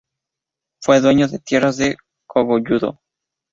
Fue dueño de tierras en Cogolludo.